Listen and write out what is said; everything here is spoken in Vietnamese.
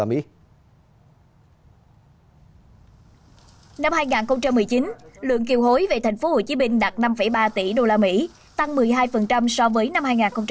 năm hai nghìn một mươi chín lượng kiều hối về tp hcm đạt năm ba tỷ usd tăng một mươi hai so với năm hai nghìn một mươi tám